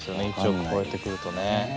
１億超えてくるとね。